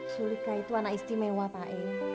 sulika itu anak istimewa pak